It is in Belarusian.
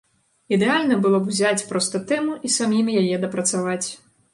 Ідэальна было б узяць проста тэму і самім яе дапрацаваць.